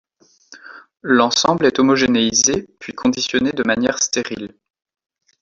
L'ensemble est homogénéisé puis conditionné de manière stérile.